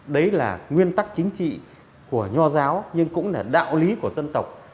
đấy là nguyên tắc chính trị của nho giáo nhưng cũng là đạo lý của dân tộc